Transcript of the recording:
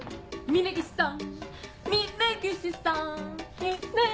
峰岸さん！